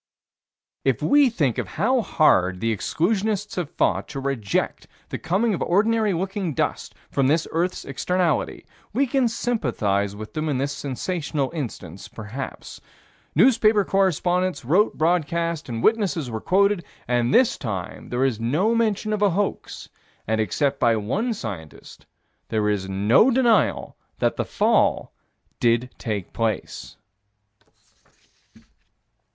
If we think of how hard the exclusionists have fought to reject the coming of ordinary looking dust from this earth's externality, we can sympathize with them in this sensational instance, perhaps. Newspaper correspondents wrote broadcast and witnesses were quoted, and this time there is no mention of a hoax, and, except by one scientist, there is no denial that the fall did take place.